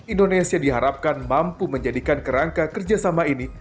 indonesia diharapkan mampu menjadikan kerangka kerjasama ini